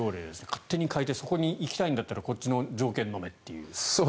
勝手に変えてそこに行きたいんだったらこっちの条件をのめと。